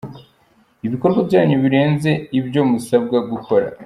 Ibikorwa byanyu birenze ibyo musabwa gukora.